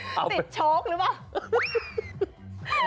สิทธิ์โชคหรือเปล่า